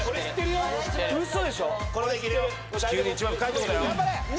地球で一番深いとこだよ。